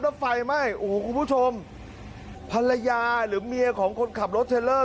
แล้วไฟไหม้โอ้โหคุณผู้ชมภรรยาหรือเมียของคนขับรถเทลเลอร์